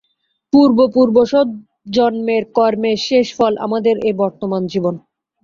পূর্ব পূর্ব সব জন্মের কর্মের শেষ ফল আমাদের এই বর্তমান জীবন।